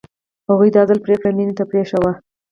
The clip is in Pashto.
هغوی دا ځل پرېکړه مينې ته پرېښې وه